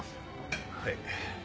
はい。